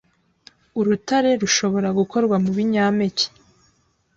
Urutare rushobora gukorwa mubinyampeke